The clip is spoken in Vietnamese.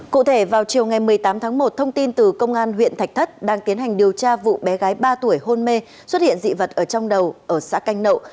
cụ thể vào chiều ngày một mươi tám tháng một thông tin từ công an huyện thạch thất đang tiến hành điều tra vụ bé gái ba tuổi hôn mê xuất hiện dị vật ở trong đầu ở xã canh nậu